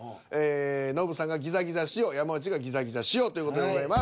ノブさんが「ギザギザしお」山内が「ギザギザしお」という事でございます。